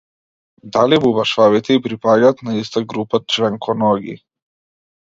Дали бубашвабите и припаѓаат на иста група членконоги?